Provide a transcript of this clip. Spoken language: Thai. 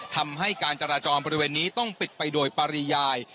ทำให้การจราจรบริเวณนี้ต้องปิดไปโดยปริยาย